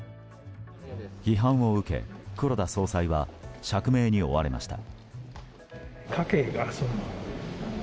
批判を受け、黒田総裁は釈明に追われました。